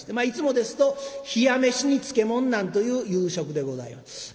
いつもですと冷や飯に漬物なんという夕食でございます。